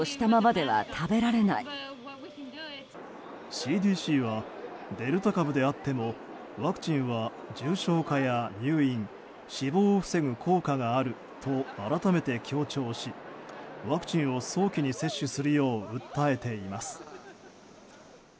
ＣＤＣはデルタ株であっても、ワクチンは重症化や入院、死亡を防ぐ効果があると改めて強調しワクチンを早期に接種するよう訴えています。